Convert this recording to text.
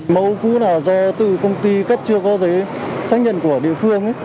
mẫu cũ là do tự công ty cấp chưa có giấy xác nhận của địa phương